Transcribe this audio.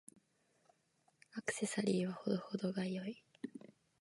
アクセサリーは程々が良い。